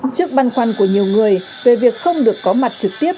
trước băn khoăn của nhiều người về việc không được có mặt trực tiếp